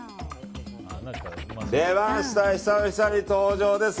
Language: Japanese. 出ました久々に登場ですよ